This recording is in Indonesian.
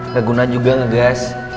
gak guna juga ngegas